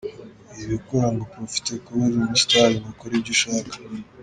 Wibikora ngo uprofite kuba uri umusitari ngo ukore ibyo ushaka.